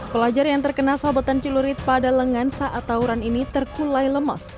pelajar yang terkena sabetan celurit pada lengan saat tauran ini terkulai lemas